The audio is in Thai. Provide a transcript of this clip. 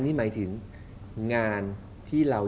ที่เราอยากติดตอบ